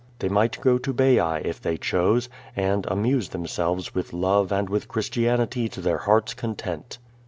They might go to Baiac if they chose, and amuse themselves with love and with Christianity to their heart's content.